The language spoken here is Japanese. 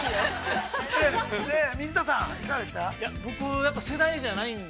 水田さんいかがでした？